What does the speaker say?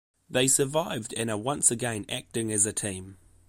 They survived and are once again acting as a team.